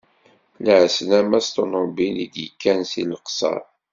Lɛeslama s ṭunubil, i d-yekkan seg Leqser.